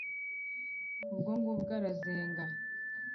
ubwo ngubwo arazenga